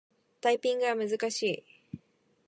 タイピングは難しい。